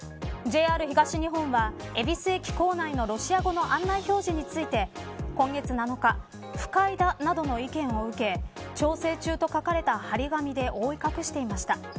ＪＲ東日本は恵比寿駅構内のロシア語の案内表示について今月７日、不快だなどの意見を受け調整中と書かれた張り紙で覆い隠していました。